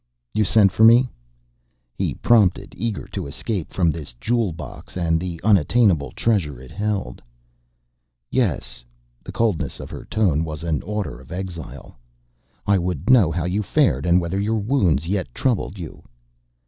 "You sent for me " he prompted, eager to escape from this jewel box and the unattainable treasure it held. "Yes," the coldness of her tone was an order of exile. "I would know how you fared and whether your wounds yet troubled you."